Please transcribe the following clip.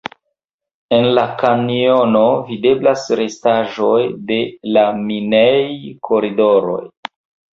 En la kanjono videblas restaĵoj de la minej-koridoroj.